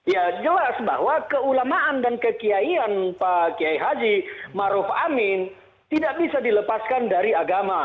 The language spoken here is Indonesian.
ya jelas bahwa keulamaan dan kekiaian pak kiai haji maruf amin tidak bisa dilepaskan dari agama